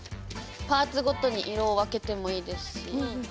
パーツごとに色を分けてもいいですし。